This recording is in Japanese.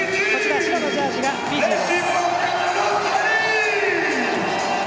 白のジャージがフィジーです。